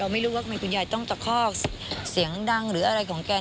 ไม่รู้ว่าทำไมคุณยายต้องตะคอกเสียงดังหรืออะไรของแก